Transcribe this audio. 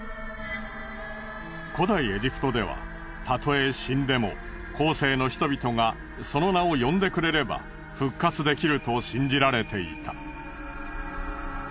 古代エジプトではたとえ死んでも後世の人々がその名を呼んでくれれば復活できると信じられていた。